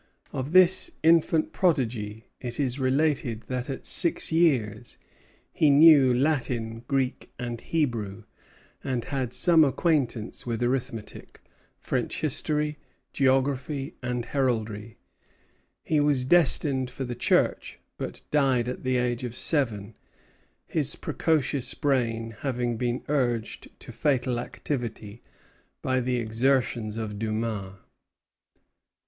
Of this infant prodigy it is related that at six years he knew Latin, Greek, and Hebrew, and had some acquaintance with arithmetic, French history, geography, and heraldry. He was destined for the Church, but died at the age of seven; his precocious brain having been urged to fatal activity by the exertions of Dumas.